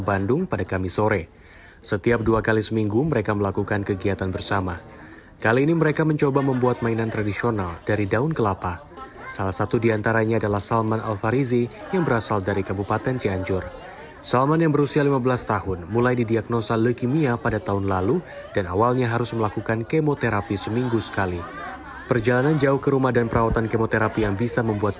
assalamualaikum wr wb